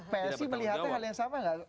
psi melihatnya hal yang sama nggak